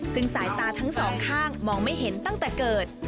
ซึ่งสายตาทั้งสองข้างมองไม่เห็นตั้งแต่เกิด